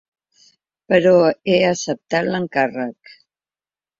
Però he acceptat l’encàrrec.